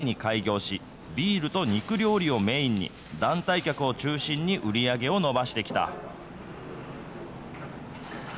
５年前に開業し、ビールと肉料理をメインに、団体客を中心に売り上げを伸ばしてきた。